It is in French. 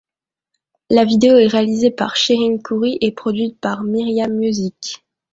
La vidéo est réalisée par Cherine Khoury et produite par Myriam Music.